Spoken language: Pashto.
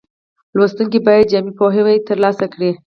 لوستونکي باید جامع پوهاوی ترلاسه کړي.